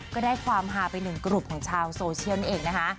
ก็ได้ความหาไปหนึ่งกรุ่นของชาวโซเชียลเน็ตนะคะ